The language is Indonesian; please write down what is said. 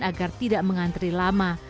agar tidak mengantri lama